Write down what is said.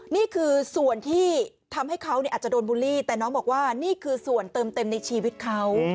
นี่คือส่วนที่ทำให้เขาอาจจะโดนบูลลี่แต่น้องบอกว่านี่คือส่วนเติมเต็มในชีวิตเขา